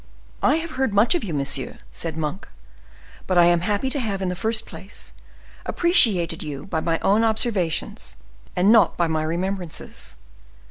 "I have heard much of you, monsieur," said Monk, "but I am happy to have, in the first place, appreciated you by my own observations, and not by my remembrances.